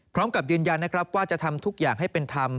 พร้อมกับยืนยันนะครับว่าจะทำทุกอย่างให้เป็นธรรม